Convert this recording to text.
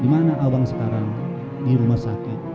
dimana abang sekarang di rumah sakit